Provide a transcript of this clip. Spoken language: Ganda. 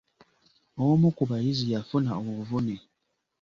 Omu ku bayizi yafuna obuvune.